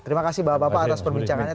terima kasih bapak bapak atas perbincangannya